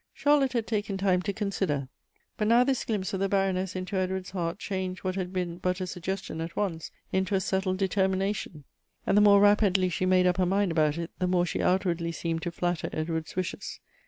Charlotte had taken time to consider. But now this glimpse of the Baroness into Edward's heart changed what had been but a suggestion at once into a settled determination ; and the mora rapidly she made up her mind about it, the mora she outwardly seemed to flatter Edward's wishes.